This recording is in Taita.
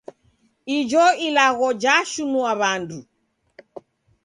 Ijo ilagho jashinue w'andu.